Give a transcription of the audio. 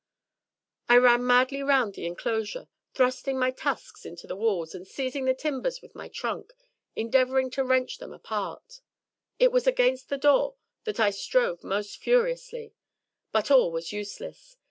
I ran madly round the enclosure, thrusting my tusks into the walls, and seizing the timbers with my trunk, endeavouring to wrench them apart. It was against the door that I strove most furiously. But all was useless.